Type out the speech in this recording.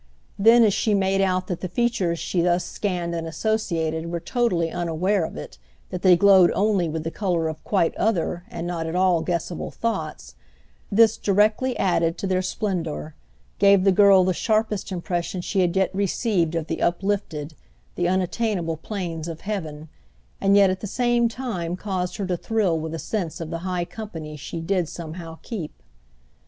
Then as she made out that the features she thus scanned and associated were totally unaware of it, that they glowed only with the colour of quite other and not at all guessable thoughts, this directly added to their splendour, gave the girl the sharpest impression she had yet received of the uplifted, the unattainable plains of heaven, and yet at the same time caused her to thrill with a sense of the high company she did somehow keep.